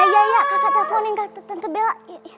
ya ya ya kakak teleponin kak tante bella